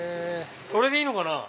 これでいいのかな？